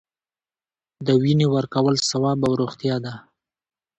د وینې ورکول ثواب او روغتیا ده